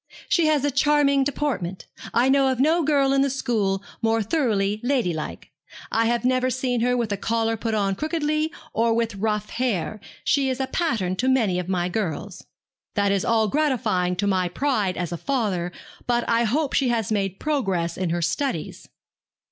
'She has a charming deportment. I know of no girl in the school more thoroughly ladylike. I have never seen her with a collar put on crookedly, or with rough hair. She is a pattern to many of my girls.' 'That is all gratifying to my pride as a father; but I hope she has made progress in her studies.'